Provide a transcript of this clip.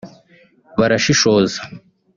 barashishoza